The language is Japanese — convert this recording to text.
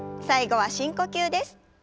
最後は深呼吸です。